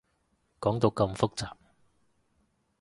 講到咁複雜